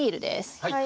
はい。